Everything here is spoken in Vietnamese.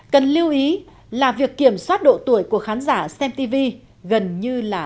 cần lưu ý là việc kiểm soát độ tuổi của khán giả xem tv gần như là